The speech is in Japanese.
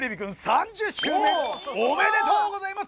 ３０周年おめでとうございます！